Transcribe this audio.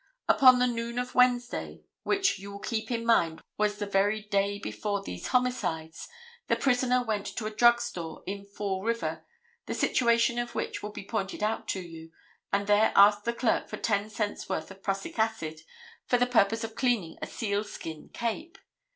Upon the noon of Wednesday, which you will keep in mind was the very day before these homicides, the prisoner went to a drug store in Fall River, the situation of which will be pointed out to you, and there asked the clerk for ten cents worth of prussic acid for the purpose of cleaning a sealskin cape.